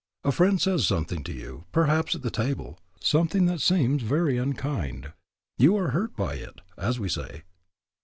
A friend says something to you, perhaps at the table, something that seems very unkind. You are hurt by it, as we say.